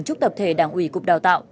trúc tập thể đảng ủy cục đào tạo